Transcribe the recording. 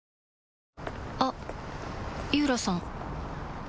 あっ井浦さん